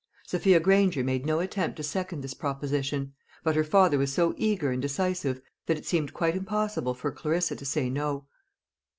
Sophia Granger made no attempt to second this proposition; but her father was so eager and decisive, that it seemed quite impossible for Clarissa to say no.